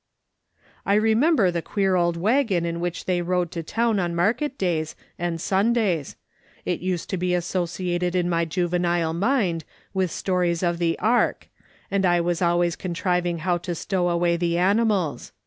" I remember the queer old waggon in which they rode to town on market days, and Sundays. It used to be associated in my juvenile mind with stories of the ark, and I was always contriving how to stow away the animals.